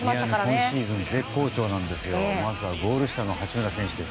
今シーズン絶好調ですがまずはゴール下の八村選手。